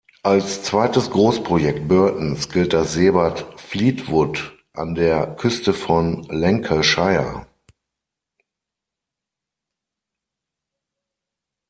Als zweites Großprojekt Burtons gilt das Seebad Fleetwood an der Küste von Lancashire.